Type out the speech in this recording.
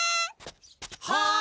はい！